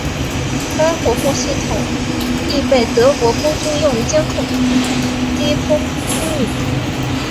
该火控系统亦被德国空军用于监控低空空域。